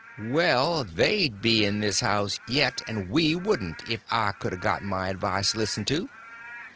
"Well, they'd be in this house yet and we wouldn't if I could a got my advice listened to."